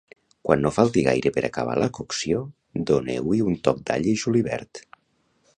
Quan no falti gaire per acabar la cocció, doneu-hi un toc d'all i julivert.